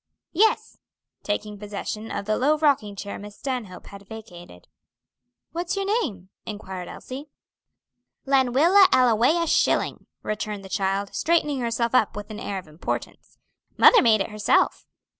"Yes," taking possession of the low rocking chair Miss Stanhope had vacated. "What's your name?" inquired Elsie. "Lenwilla Ellawea Schilling," returned the child, straightening herself up with an air of importance; "mother made it herself."